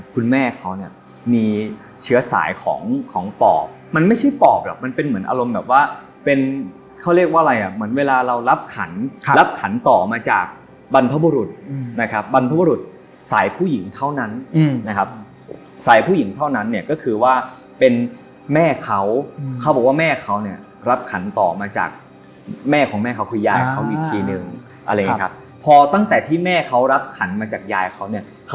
คุณแม่เขาเนี้ยมีเชื้อสายของของปอบมันไม่ใช่ปอบหรอกมันเป็นเหมือนอารมณ์แบบว่าเป็นเขาเรียกว่าอะไรอะเหมือนเวลาเรารับขันต่อมาจากบรรพบุรุษนะครับบรรพบุรุษสายผู้หญิงเท่านั้นนะครับสายผู้หญิงเท่านั้นเนี้ยก็คือว่าเป็นแม่เขาเขาบอกว่าแม่เขาเนี้ยรับขันต่อมาจากแม่ของแม่เขาคือยายเขาอีกท